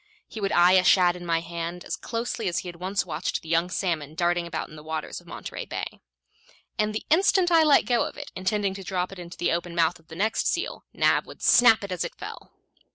He would eye a shad in my hand as closely as he had once watched the young salmon darting about in the waters of Monterey Bay. And the instant I let go of it, intending to drop it into the open mouth of the next seal, Nab would snap it as it fell.